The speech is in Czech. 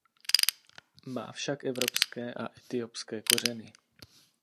Má však evropské a etiopské kořeny.